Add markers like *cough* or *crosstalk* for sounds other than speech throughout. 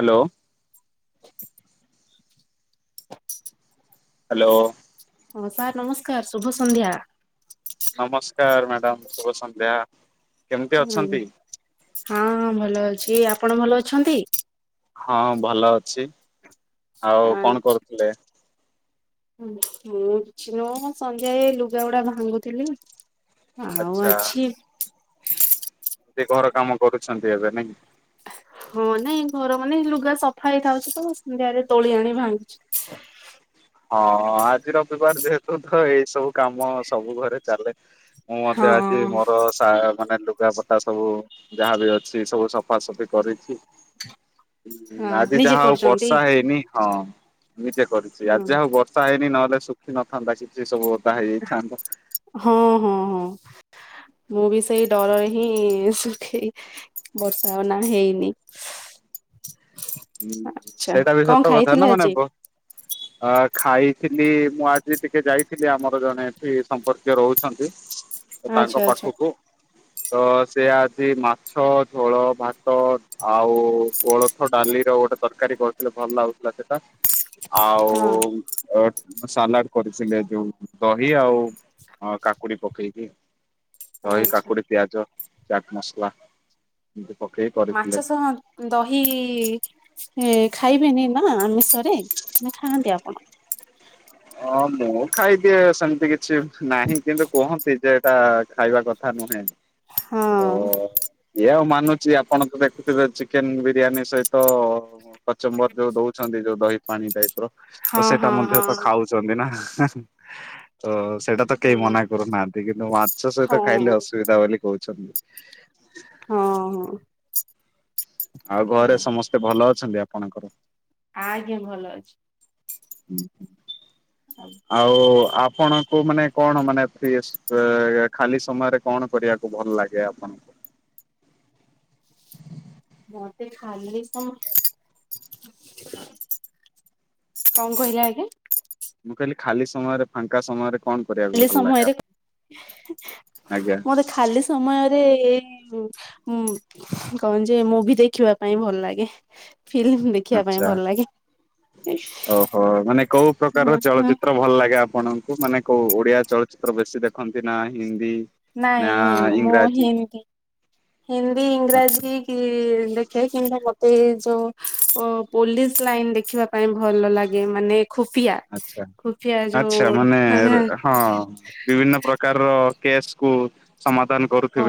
Hello. Hello. ହଁ sir ନମସ୍କାର ଶୁଭ ସନ୍ଧ୍ୟା। ନମସ୍କାର ମ୍ୟାଡାମ ଶୁଭ ସନ୍ଧ୍ୟା କେମିତି ଅଛନ୍ତି? ଆଜ୍ଞା ହଁ ଭଲ ଅଛି। ଆପଣ ଭଲ ଅଛନ୍ତି? ହଁ ଭଲ ଅଛି ଆଉ କଣ କରୁଥୁଲେ? ଉଁ ମୁଁ କିଛି ନୁହଁ ସନ୍ଧ୍ୟା ଏଇ ଲୁଗାଉଡା ଭାଙ୍ଗୁଥିଲି। ଆଉ ଅଛି। ଏବେ ଘର କାମ କରୁଛନ୍ତି ଏବେ ନାଇଁ? ହଁ ନାଇଁ ଘର ମାନେ ଲୁଗା ସଫା ହେଇଥାଉଚି ତ ସନ୍ଧ୍ୟରେ ତୋଳି ଆଣି ଭାଙ୍ଗୁଛି। *unintelligible* ହଁ ଆଜି ରବିବାର ଯେହେତୁ ତ ଏଇ ସବୁ କାମ ସବୁ ଘରେ ଚାଲେ। ମୁଁ ମଧ୍ୟ ହଁ ଆଜି ମୋର ସା ମାନେ ଲୁଗାପଟା ସବୁ ଯାହା ବି ଅଛି ସବୁ ସ ଫାସଫି କରିଚି। ହୁଁ ଆଜି ନିଜେ ଯାହା ହଉ କରୁଛନ୍ତି ବର୍ଷା ହେଇନି। ହଁ ଏମିତି କରିଚି ହଁ ଆଜି ଆଉ ବର୍ଷା ହେଇନି ନହେଲେ ଶୁଖି ନଥାନ୍ତା କିଛି ସବୁ ଓଦା ହେଇଯାଇଥାନ୍ତା। ହଁ ହଁ ହଁ *unintelligible* ମୁଁ ବି ସେଇ ଡରରେ ହିଁ ଶୁଖେଇ ବର୍ଷା ନାଁ ହେଇନି। ହୁଁ ଆଚ୍ଛା ସେଇଟା ବି କଣ ସତ କଥା ଖାଇଥିଲେ ନାଁ ମାନେ ଆଜି ବ ଅ ଖାଇଥିଲି ମୁଁ ଆଜି ଟିକେ ଯାଇଥିଲି ଆମର ଜଣେ ଏଠି ସମ୍ପର୍କୀୟ ରହୁଛନ୍ତି। ତ ଆଚ୍ଛା ତାଙ୍କ ଆଚ୍ଛା ପାଖକୁ ତ ସେ ଆଜି ମାଛ ଝୋଳ ଭାତ ଆଉ କୋଳଥ ଡାଲି ତେ ଓଟେ ତରକାରୀ କରୁଥିଲେ ଭଲ ଲାଗୁଥିଲା ସେଟା ଆଉ ହଁ ଅ ସାଲାଡ଼ କରିଥିଲେ ଯୋଉ ଦହି ଆଉ ଅ କାକୁଡ଼ି ପକେଇକି। ଦହି ଆଚ୍ଛା। କାକୁଡ଼ି ପିଆଜ ଚାଟ୍ ମସଲା। ଏମିତି ପକେଇକି କରିଥିଲେ। ମାଛ ସହ ଦହି ଏ ଖାଇବେନେଇ ନା ଆମିଷରେ ନାଁ ଖାଆନ୍ତି ଆପଣ? ହଁ ମୁଁ ଖାଇଦିଏ ସେମତି କିଛି ନାହିଁ କିନ୍ତୁ କୁହନ୍ତି ଯେ ଏଇଟା ଖାଇବା କଥା ନୁହେଁ। ତ ହଁ ଇଏ ଆଉ ମା ଚି ଆପଣ ତ ଦେଖୁଥିବେ ଚିକେନ ବିରିୟାନୀ ସହିତ କଚମ୍ବର ଯୋଉ ଦଉ ଛନ୍ତି ଯୋଉ ଦହି ପାଣି ଟାଇପ୍ ର ହଁ ତ ସେଇଟା ହଁ ମଧ୍ୟ ତ ହଁ ଖାଉଛନ୍ତି ନାଁ। ତ ସେଇଟା ତ କେହି ହୁଁ। ମନା କରୁନାହାନ୍ତି କିନ୍ତୁ ମାଛ ସହିତ ଖାଇଲେ ହଁ ଅସୁବିଧା ବୋଲି କୋହୁଛନ୍ତି। ହଁ ହଁ। ଆଉ ଘରେ ସମସ୍ତେ ଭଲ ଅଛନ୍ତି ଆପଣଙ୍କର? ଆଜ୍ଞା ଭଲ ଅଛି। ଆଉ ଆପଣଙ୍କୁ ମାନେ କଣ ମାନେ ଫ୍ରୀସ୍ ଇ ଖାଲି ସମୟରେ କଣ କରିବାକୁ ଭଲ ଲାଗେ ଆପଣଙ୍କୁ? *unintelligible* ମତେ ଖାଲି ସମ କଁ କହିଲେ ଆଜ୍ଞା? ମୁଁ କହିଲି ଖାଲି ସମୟରେ ଫାଙ୍କା ସମୟରେ କଣ କରିବାକୁ ଲି ଭଲ ଲାଗେ ସମୟରେ ଆଜ୍ଞା ମତେ ଖାଲି ସମୟରେ କଣ ଯେ ମୁଭି ଦେଖିବା ପାଇଁ ଭଲ ଲାଗେ। ଫିଲ୍ମ ଦେଖିବା ପାଇଁ ଭଲ ଲାଗେ। ଓ ହୋ ମାନେ କୋଉ ପ୍ରକାରର ଚଳଚିତ୍ର ଭଲ ଲାଗେ? ଆପଣ ମାନେ କୋଉ ଓଡିଆ ଚଳଚିତ୍ର ବେଶୀ ଦେଖନ୍ତି? ନା ହିନ୍ଦୀ ନା ନାଇଁ ମୁଁ ଇଂରାଜୀ ହିନ୍ଦୀ ହିନ୍ଦୀ ଆଚ୍ଛା ଇଂରାଜୀ କି ଦେଖେ କିମ ସେ ଯୋଉ ପୋଲିସ ଲାଇନ ଦେଖିବା ପାଇଁ ଭଲ ଲାଗେ, ମାନେ ଖୁଫିଆ ଆଚ୍ଛା ଖୁଫିଆ ଯୋଉ ଆଚ୍ଛା ମାନେ ହଁ ବିଭିନ୍ନ ପ୍ରକାରର କେସ୍ କୁ ସମା ହ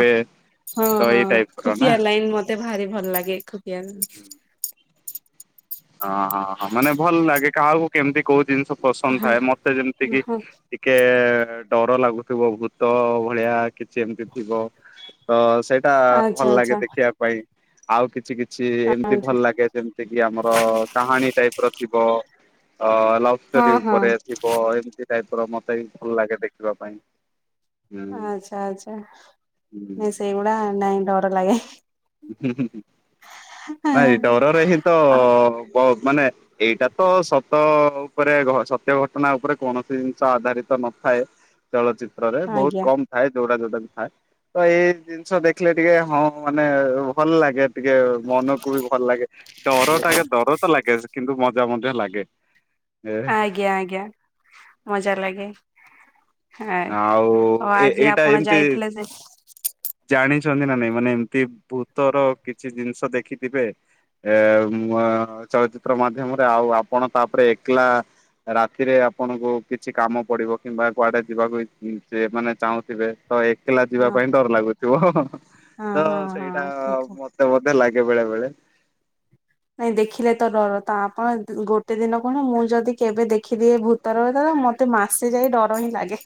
ହଁ ହଁ ଟାଇପ୍ ର ନା ଖୁବିଆ ଲାଇନ ମତେ ଭାରି ଭଲ ଲାଗେ। *unintelligible* ଓ ହଁ ହ ମାନେ ଭଲ ଲାଗେ, କାହାକୁ କେମିତି କୋଉ ଜିନିଷ ପସନ୍ଦ ଥାଏ? ମତେ ଯେମିତି କିି ହଁ ଟିକେ ଡର ଲାଗୁଥିବ ଭୂତ ଭଳିଆ କିଛି ଏମିତି ଥିବ ତ ସେଇଟା ଭଲ ଆଚ୍ଛା ଲାଗେ ଆଚ୍ଛା ଦେଖିବା ପାଇଁ। ଆଉ କିଛି କିଛି ଏମିତି ଆଚ୍ଛା ଭଲ ଲାଗେ, ଯେମିତି କି ଆମ କାହାଣୀ ଟାଇପର ଥିବ, ଲଭ ହଁ ଷ୍ଟୋରି ହଁ ଉପରେ ଥିବ, ଏମତି ଟାଇପ୍ ର ମତେ ବି ଭଲ ଲାଗେ ଦେଖିବା ପାଇଁ। ହୁଁ ଆଚ୍ଛା ଆଚ୍ଛା ନାଇଁ ସେଇଗୁଡା ନାଇଁ ଡର ଲାଗେ। ହୁଁ- ହୁଁ। ବହୁତ୍ ମାନେ ଏଇଟା ତ ସତ ଉପରେ ଘ ସତ୍ୟ ଘଟଣା ଉପରେ କୌଣସି ଜିନିଷ ଆଧାରିତ ନ ଥାଏ ଚଳଚିତ୍ ତ୍ର ରେ ବହୁତ ଆଜ୍ଞା କମ୍ ଥାଏ ଯୋଉଟା ଯୋଉଟା ବି ଥାଏ, ତ ଏଇ ଜିନିଷ ଦେଖିଲେ ଟିକେ ହଁ ମାନେ ଭଲ ଲାଗେ ଟିକେ ମନକୁ ବି ଭଲ ଲାଗେ ଡରଟା ଆଗେ ଡର ତ ଲାଗେ, ସେ କିନ୍ତୁ ମଜା ମଜା ଲାଗେ। ଆଜ୍ଞା ଆଜ୍ଞା। ମଜା ଲାଗେ। ହଁ ଆଉ ଏ ଆଜି ଏଇଟା ଆପଣ ଏମିତି ଯାଇଥିଲେ ସେ ଜାଣିଛନ୍ତି ନା ନାଇଁ ମାନେ ଏମିତି ଭୂତର କିଛି ଜିନିଷ ଦେଖିଥିବେ, ଏ ମ୍ ଚଳଚିତ୍ର ମାଧ୍ୟମରେ, ଆଉ ଆପଣ ତାପରେ ଏକଲା ରାତିରେ ଆପଣଙ୍କୁ କିଛି କାମ ପଡିବ କିମ୍ବା କୁଆଡେ ଯିବାକୁ ସେ ମାନେ ଚାହୁଁଥିବେ? ତ ଏକଲା ଯିବା ହଁ ପାଇଁ ଡର ଲାଗୁଥିବ। ହଁ ତ ହଁ ସେଇଟା ହଁ ଠିକ ମତେ ବୋଧେ ଲାଗ ଗେ ବେଳେବେଳେ ନାଇଁ ଦେଖିଲେ ତ ଡର ତ ଆପଣ ଗୋଟେ ଦିନ କଣ, ମୁଁ ଯଦି କେବେ ଦେଖିଦିଏ ଭୂତର ତର ମତେ ମାସେ ଯାଇ ଡର ହିଁ ଲାଗେ।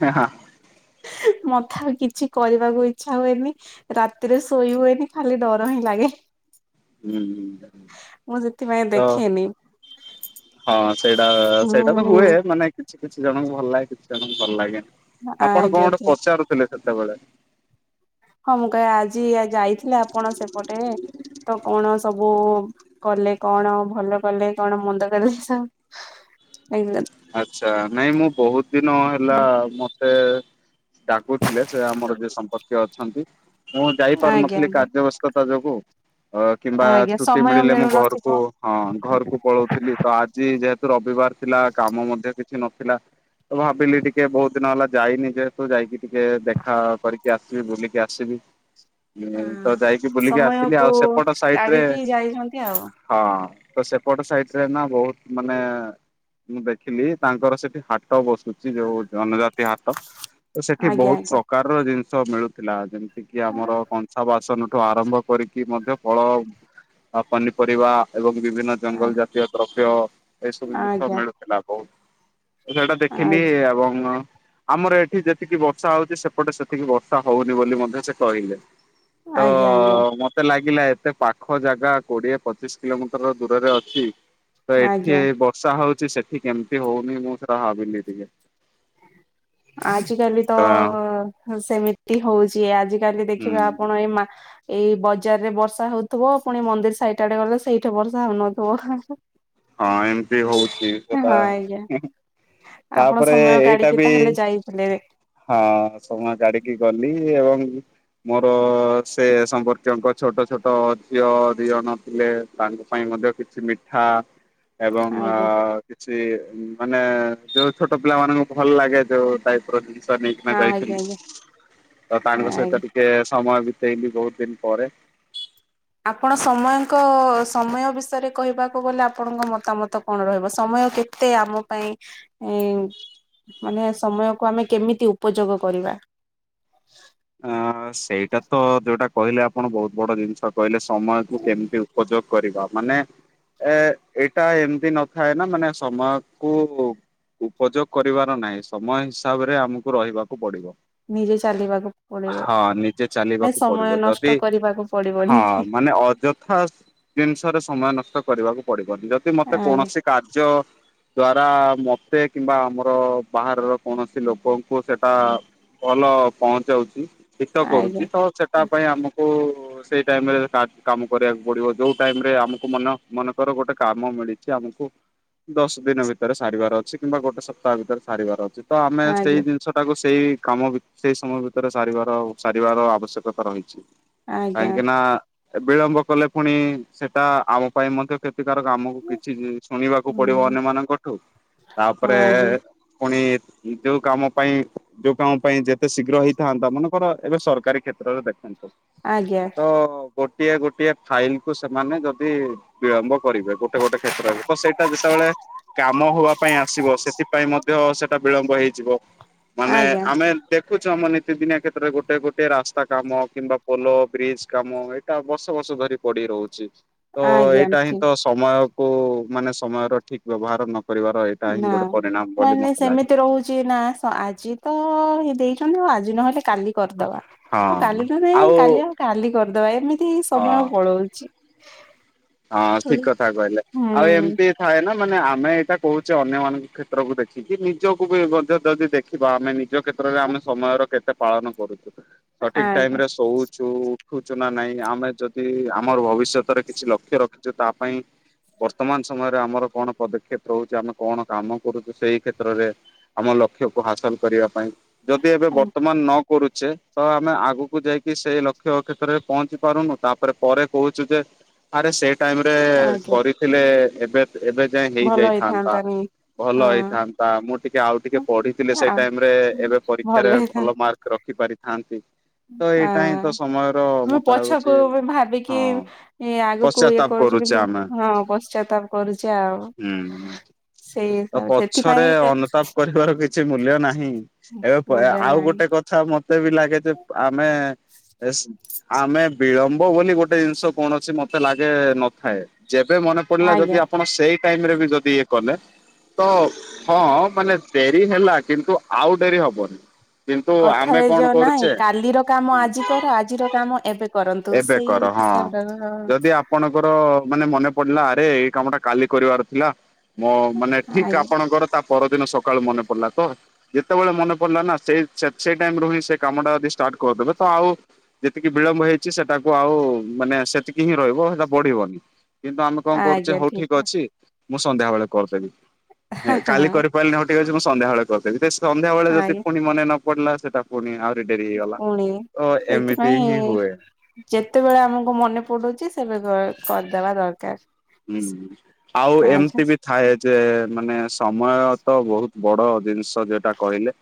ହ- ହଁ। ମତେ ଆଉ କିଛି କରିବାକୁ ଇଚ୍ଛା ହୁଏନି, ରାତିରେ ଶୋଇ ହୁଏନି ଖାଲି ଡର ହିଁ ଲାଗେ। ହୁଁ ମୁଁ ସେଥିପାଇଁ ତ ଦେଖେନି। ହଁ ସେଇଟା ସେଇଟା ତ ହୁଁ ହୁଏ ମାନେ କିଛି କିଛି ଜଣଙ୍କୁ ଭଲ ଲାଗେ କିଛି ଜଣଙ୍କୁ ଭଲ ଲାଗେନି। ଆପଣ ଆଜ୍ଞା କଣ ଗୋଟେ ଠିକ ପଚାରୁଥିଲେ ସେତେବେଳେ? ହଁ ମୁଁ କହେ ଆଜି ଆଜି ଯାଇଥିଲେ ଆପଣ ସେପଟେ? ତ କଣ ସବୁ କଲେ? କଣ ଭଲ କଲେ କଣ ମନ୍ଦ କଲେ ସ ଆଚ୍ଛା ନାଇଁ ମୁଁ ବହୁତ ଦିନ ହେଲା ମତେ ଡାକୁୁଥିଲେ। ସେ ଆମର ଯିଏ ସମ୍ପର୍କୀୟ ଅଛନ୍ତି। ମୁଁ ଯାଇପାରୁନଥିଲି ଆଜ୍ଞା କାର୍ଯ୍ୟ ବ୍ୟସ୍ତତା ଯୋଗୁ। ଅ କିମ୍ବା ଆଜ୍ଞା ଛୁଟି ସମୟ ମିଳିଲେ ମୁଁ ଘରକୁ ମିଳୁନଥିବ। ହଁ ଘରକୁ ପଳଉଥିଲି। ତ ଆଜି ଯେହେତୁ ରବି ବାର ଥିଲା କାମ ମଧ୍ୟ କିଛି ନଥିଲା, ତ ଭାବିଲି ଟିକେ ବହୁତ ଦିନ ହେଲା ଯାଇନି ଯେହେତୁ ଯାଇକି ଟିକେ ଦେଖା କରିକି ଆସିବି, ବୁଲିକି ଆସିବି। ହଁ ମୁଁ ତ ଯାଇକି ବୁଲିକି ଆସିଲି। ସମୟକୁ ଆଉ ସେପଟ ସାଇଟରେ କାଢିକି ଯାଇଛନ୍ତି ଆଉ ହଁ ତ ସେପଟ ସାଇଟରେ ନା ବହୁତ ମାନେ ମୁଁ ଦେଖିଲି ତାଙ୍କର ସେଠି ହାଟ ବସୁଛି ଯୋଉ ଜନଜାତି ହାତ ତ ସେଠି ଆଜ୍ଞା ବହୁତ ଆଜ୍ଞା। ପ୍ରକାରର ଜିନିଷ ମିଳୁଥିଲା ଯେମତି ତିିକି ଆମର କଂସା ବାସନ ଠୁ ଆରମ୍ଭ କରିକି ମଧ୍ୟ ଫଳ ଉ ଆଉ ପନିପରିବା ଏବଂ ବିଭିନ୍ନ ଜଙ୍ଗଲ ଜାତୀୟ ଦ୍ରବ୍ୟ ଏ ସବୁ ଜିନିଷ ଆଜ୍ଞା ମିଳୁଥିଲା ବହୁତ। ସେଇଟା ଦେଖିଲି ଆଜ୍ଞା ଏବଂ ଆମର ଏଠି ଯେତିକି ବର୍ଷା ହଉଛି ସେପଟେ ସେତିକି ବର୍ଷା ହଉନି ବୋଲି ମଧ୍ୟ ସେ କହିଲେ। ଆଜ୍ଞା ଆଜ୍ଞା। ାଗିଲା ଏତେ ପାଖ ଜାଗା କୋଡିଏ ପଚିଶ କିଲୋମିଟର ଦୂରରେ ଅଛି। ତ ଏଠି ଆଜ୍ଞା ବର୍ଷା ହଉଛି ସେଠି କେମିତି ହଉନି ମୁଁ ସେଟା ଭାବିଲି ଟିକେ। ଆଜିକାଲି ତ ସେମିତି ହଉଛି ଆଜି କାଲି ହୁଁ ଦେଖିବା ଆପଣ ଏଇ ମା ଏଇ ବଜାରରେ ବର୍ଷା ହଉଥିବ ପୁଣି ମନ୍ଦିର ସାଇଟ ଆଡେ ଗଲେ ସେଇଠି ବର୍ଷା ହଉନଥିବ। ହଁ ଏମତି ହଉଛି ସେଟା ଆଜ୍ଞା ଆପଣ ତାପରେ ସମୟ ସେଟା କାଢିକି ବି ତାହେଲେ ଯାଇଥିଲେ ହଁ ସମାନ ଗାଡିକି ଗଲି ଏବଂ ମୋର ସେ ସମ୍ପର୍କୀୟଙ୍କ ଛୋଟ ଛୋଟ ଝିଅ ଦି ଜଣ ଥିଲେ ତାଙ୍କ ପାଇଁ ମଧ୍ୟ କିଛି ମିଠା ଏବଂ ଆଜ୍ଞା କିଛି ମାନେ ଯୋଉ ଛୋଟ ପିଲାମାନଙ୍କୁ ଭଲ ଲାଗେ ଯୋଉ ଟାଇପ ଜିନିଷ ନେଇକିନା ହଁ ଆଜ୍ଞା ଯାଇଥିଲି ଆଜ୍ଞା ତ ତାଙ୍କ ଆଜ୍ଞା। ସହିତ ଟିକେ ସମୟ ବିତେଇଲି ବହୁତ ଦିନ ପରେ। ଆପଣ ସମୟଙ୍କ ସମୟ ବିଷୟରେ କହିବାକୁ ଗଲେ ଆପଣଙ୍କ ମତାମତ କଣ ରହିବ ସମୟ ସମୟ କେତେ ଆମ ପାଇଁ ଏ ମାନେ ସମୟକୁ ଆମେ କେମିତି ଉପଯୋଗ କରିବା। ଅ ସେଇଟା ତ ଯୋଉଟା କହିଲେ ଆପଣ ବହୁତ ବଡ ଜିନିଷ କହିଲେ ସମୟକୁୁ କେମିତି ଉପଯୋଗ କରିବା ମାନେ ଏ ଏଇଟା ଏମିତି ନଥାଏ ନା ମାନେ ସମୟ କୁ ଉପଯୋଗ କରିବାର ନାହିଁ ସମୟ ହିସାବରେ ଆମକୁ ରହିବାକୁ ପଡିବ। ନିଜେ ଚାଲିବାକୁ ପଡିବ ହଁ ନିଜେ ନାଇଁ ଚାଲିବାକୁ ସମୟ ପଡିବ ଯଦି ନଷ୍ଟ କରିବାକୁ ହଁ ପଡିବନି ମାନେ ଅଯଥା ଜିନିଷରେ ସମୟ ନଷ୍ଟ କରିବାକୁ ପଡିବନି ଯଦି ମତେ ଆଜ୍ଞା କୌଣସି କାର୍ଯ୍ୟ ଦ୍ଵାରା ମତେ କିମ୍ବା ଆମର ବାହାରର କୌଣସି ଲୋକଙ୍କୁ ସେଟା ଭଲ ପହଞ୍ଚାଉଛି ହିତ ଆଜ୍ଞା କରୁଛି ତ ସେଟା ପାଇଁ ଆମକୁ ସେଇ ଟାଇମ ରେ କାମ କରିବାକୁ ପଡିବ ଯୋଉ ଟାଇମ ରେ ଆମକୁ ମନ ମନେକର ଗୋଟେ କାମ ମିଳିଛି ଆମକୁ ଦଶ ଦିନ ଭିତରେ ସାରିବାର ଅଛି କିମ୍ବା ଗୋଟେ ସପ୍ତାହ ଭିତରେ ସାରିବାର ଅଛି। ତ ଆମେ ଆଜ୍ଞା ସେଇ ଜିନିଷ ଟାକୁ ସେଇ କାମ ଭିତରେ ସେଇ ସମୟ ଭିତରେ ସାରିବାର ସାରିବାର ଆବଶ୍ୟକତା ରହିଛି ଆଜ୍ଞା କାହିଁକି ନା ବିଳମ୍ବ କଲେ ପୁଣି ସେଟା ଆମ ପାଇଁ ମଧ୍ୟ କେତେ ପ୍ରତିକାର କାମକୁ କିଛି ଶୁଣିବାକୁ ପଡିବ ହଁ ଅନ୍ୟ ମାନଙ୍କଠୁ ତାପରେ ଆଜ୍ଞା ପୁଣି ଯୋଉ କାମ ପାଇଁ ଯୋଉ କାମ ପାଇଁ ଯେତେ ଶୀଘ୍ର ହେଇଥାନ୍ତା ମାନେକର ଏବେ ସରକାରୀ କ୍ଷେତ୍ରରେ ଦେଖ ଆଜ୍ଞା ତ ଗୋଟିଏ ଗୋଟିଏ ଫାଇଲ କୁ ସେମାନେ ଯଦି ବିଳମ୍ବ କରିବେ ଗୋଟେ ଗୋଟେ କ୍ଷେତ୍ରରେ ତ ସେଇଟା ଯେତେବେଳେ କାମ ହବା ପାଇଁ ଆସିବ ସେଥିପାଇଁ ମଧ୍ୟ ସେଟା ବିଳମ୍ବ ହେଇଯିବ ମାନେ ଆଜ୍ଞା ଆମେ ଦେଖୁଛୁ ଆମ ନିତିଦିନିଆ କ୍ଷେତ୍ରରେ ଗୋଟେ ଗୋଟେ ରାସ୍ତା କାମ କିମ୍ବା ପୋଲ ବ୍ରିଜ କାମ ଏଇଟା ବର୍ଷ ବର୍ଷ ଧରି ପଡି ରହୁଛି। ତ ଆଜ୍ଞା ଏଇଟା ହିଁ ଠିକ ତ ସମୟକୁ ମାନେ ସମୟର ଠିକ ବ୍ୟବହାର ନ କରିବାର ଏଇଟା ହିଁ ନା ଗୋଟେ ପରିଣାମ ବୋଲି ମାନେ ମତେ ଲାଗେ। ସେମିତି ରହୁଛି ନା ଆଜି ତ ହେଇ ଆଜି ନହେଲେ କାଲି କରିଦବା। ହଉ କାଲି ନ କାଲି ଆଉ କାଲି କରିଦବା ଏମିତି ହଁ। ସମୟ ପଳଉଛି। ହଁ ହୁଁ ଠିକ କଥା କହିଲେ ଆଉ ଏମିତି ଥାଏ ନା ମାନେ ଆମେ ଏଇଟା କହୁଛେ ଅନ୍ୟମାନାନଙ୍କ କ୍ଷେତ୍ରକୁ ଦେଖିକି ନିଜକୁ ବି ମଧ୍ୟ ଯଦି ଦେଖିବା ଆମେ ନିଜ କ୍ଷେତ୍ରରେ ଆମେ ସମୟର କେତେ ପାଳନ କରୁଛୁ ସଠିକ ଆଜ୍ଞା ଟାଇମରେ ଶୋଉଛୁ ଦେଖୁଛୁ ନା ନାଇଁ ଆମେ ଯଦି ଆମର ଭବିଷ୍ୟତରେ କିଛି ଲକ୍ଷ୍ୟ ରଖିଛୁ ତା ପାଇଁ। ବର୍ତ୍ତମାନ ସମୟରେ ଆମର କଣ ପଦକ୍ଷେପ ରହୁଛି ଆମେ କଣ କାମ କରୁଛୁ ସେଇ କ୍ଷେତ୍ରରେ। ଆମ ଲକ୍ଷ୍ୟ କୁ ହାସଲ କରିବା ପାଇଁ ଯଦି ଏବେ ବର୍ତ୍ତମାନ ନ କରୁଛେ ତ ଆମେ ଆଗକୁ ଯାଇକି ସେଇ ଲକ୍ଷ୍ୟ କ୍ଷେତ୍ରରେ ପହଞ୍ଚି ପାରୁନୁ ତାପରେ ପରେ କହୁଛୁ ଯେ ଆରେ ସେଇ ଟାଇମରେ ଆଜ୍ଞା କରିଥିଲେ ଏବେ ଏବେ ଯାଏଁ ଭଲ ହେଇଯାଏଥାନ୍ତା। ହେଇଥାନ୍ତାନି। ଭଲ ହଁ ହେଇଥାନ୍ତା ମୁଁ ଟିକେ ଆଉ ଟିକେ ପଢିଥିଲି ସେଇ ଆ ଟାଇମ ରେ ଏବେ ପରୀକ୍ଷାରେ ଭଲ ମାର୍କ ରଖି ପାରିଥାନ୍ତି। ତ ଆ ଏଇଟା ହିଁ ତ ସମୟର ମୁଁ ମତେ ଲାଗୁଛି ପଛକୁ ଭାବିକି ହଁ ଆଗକୁ ଇଏ ପଶ୍ଚାତାପ କରୁଛୁ କରୁଛେ କିନ୍ତୁ ଆମେ ହଁ ପଶ୍ଚାତାପ କରୁଛି ଆଉ। ହୁଁ। ସେଇ ତ ପଛରେ ସେଥିପାଇଁ ଅନୁତାପ କରିବାର କିଛି ମୂଲ୍ୟ ନାହିଁ ଏବେ ମୂଲ୍ୟ ଆଉ ନାହିଁ ଗୋଟେ କ କଥା ମତେ। ମତେ ବି ଲାଗେ ଯେ ଆମେ ଆମେ ବିଳମ୍ବ ବୋଲି ଗୋଟେ ଜିନିଷ କଣ ଅ କି ମତେ ଲାଗେ ନଥାଏ ଯେବେ ମନେ ପଡିଲା ଯଦି ଆଜ୍ଞା। ଆପଣ ସେଇ ଟାଇମ ରେ ବି ଯଦି ଇଏ କଲେ। ତ ହଁ ମାନେ ଡେରି ହେଲା କିନ୍ତୁ ଆଉ ଡେରି ହବନି। କିନ୍ତୁ ଆମେ କଥାରେ କଣ ଯୋଉ ନାହିଁ କରୁଛେ। କାଲିର କାମ ଆଜି କର ଆଜିର କାମ ଏବେ କରନ୍ତୁ ଏବେ ସେଇ କର ହଁ ହିସାବରେ ଯଦି ଆପଣଙ୍କର ମାନେ ମନେ। ପିଲା ଆରେ ଏଇ କାମ ଟା କାଲି କରିବାର ଥିଲା ମୋ ମାନେ ଠିକ ଆଜ୍ଞା ଆପଣଙ୍କର ତା ପରଦିନ ସକାଳୁ ମନେ ପଡିଲା ତ ଯେତେବେଳେ ମନେ ପଡିଲା ନା ସେ ସେଇ ଟାଇମ ରୁ ହିଁ ସେ କାମ ଟା ଯିଦି ଷ୍ଟାଟ। କରିଦେଲ ତ ଆଉ ଯେତିକି ବିଳମ୍ବ ହେଇଚି। ସେଟାକୁ ଆଉ ମାନେ ସେତିକି ହିଁ ରହିବ ସେଟା ବଢିବନି। କିନ୍ତୁ ଆମେ କଣ କରୁଛେ ହଉ ଠିକ ଅଛି ମୁଁ ସନ୍ଧ୍ୟା ବେଳେ କରିଦେବି। କାଲି କରିପାରିଲି ହଁ ଠିକ ଅଛି ମୁଁ ସନ୍ଧ୍ୟାବେଳେ କରିଦେବି ସଧ୍ୟାବେଳେ ଯଦି ଆଜ୍ଞା ପୁଣି ମନେ ନ ପଡିଲା ସେଟା ପୁଣି ଆହୁରି ଡେରି ହେଇଗଲା ପୁଣି ତ ଏମିତି ସେଇଥିପାଇଁ ହିଁ ହୁଏ। ଯେତେବେଳେ ଆମକୁ ମନେ ପଡୁଛି ସେବେ କରିଦବା ଦରକାର। ହୁଁ ଆଉ ଆଚ୍ଛା ଏମିତି ବି ଥାଏ। ଯେ ମାନେ ସମୟ ତ ବହୁତ ବଡ଼ ଜିନିଷ। ଯୋଉଟା କହିଲେ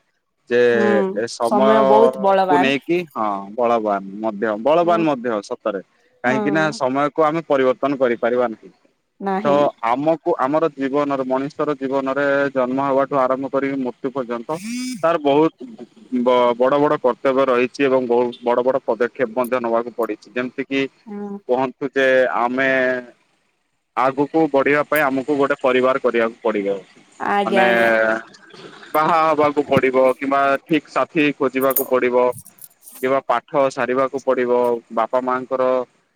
ଯେ ହୁଁ ଏ ସମୟ ବହୁତ କୁ ବଳବାନ ନେଇକି ହଁ ବଳବ ବାନ। ମଧ୍ୟ ହୁଁ ବଳବାନ ମଧ୍ୟ ସତରେ ହଁ କାହିଁକି ନା ସମୟକୁ ଆମେ ପରିବର୍ତ୍ତନ କରିପାରିବା ନାହିଁ। ତ ନାହିଁ ଆମକୁ। ଆମର ଜୀବନରେ ମଣିଷର ଜୀବନରେ ଜନ୍ମ ହବାଠୁ ଆରମ୍ଭ କରିକି ମୃ ମୃତୁ ପର୍ଯ୍ୟନ୍ତ ତାର ବହୁତ। ବ ବଡ଼ ବଡ଼ କର୍ତ୍ତବ୍ୟ ରହିଛି ଏବଂ ବହୁତ ବଡ଼ ବଡ଼ ପଦକ୍ଷେପ ମଧ୍ୟ ନେବାକୁ ପଡିଛି ଯେମିତି କି। କି ହଁ କହନ୍ତୁ ଯେ ଆମେଏଁ। ଆଗକୁ ବଢିବା ପାଇଁ ଆମକୁ ଗୋଟେ ପରିବାର କରିବାକୁ ପଡିବ ଆଉ ଆଜ୍ଞା ଆଜ୍ଞା ମାନେଏଁ ବାହା ହବାକୁ ପଡିବ କିମ୍ବା ଠିକ ସା ଠିକ ଖୋଜିବାକୁ ପଡିବ କିମ୍ବା ପାଠ। ସାରିବାକୁ ପଡିବ ବାପା ମାଙ୍କର।